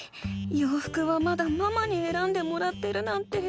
ようふくはまだママにえらんでもらってるなんて。